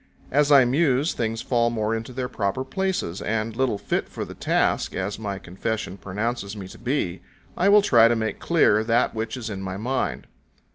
As I muse things fall more into their proper places, and, little fit for the task as my confession pronounces me to be, I will try to make clear that which is in my mind.